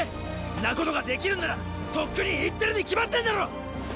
んなことができるんならとっくに行ってるに決まってんだろ！！